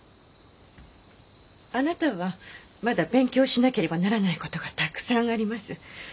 あなたはまだ勉強しなければならない事がたくさんあります。